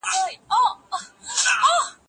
پوهنتون باید د څيړني لپاره قوانین ولري.